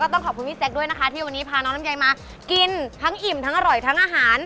ต้องขอบคุณพี่แซคด้วยนะคะที่วันนี้พาน้องลำไยมากินทั้งอิ่มทั้งอร่อยทั้งอาหาร